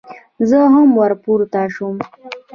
زه هم ور پورته شوم.